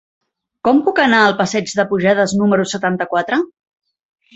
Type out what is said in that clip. Com puc anar al passeig de Pujades número setanta-quatre?